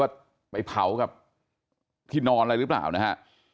ไปเผากับที่นอนอะไรหรือเปล่านะฮะ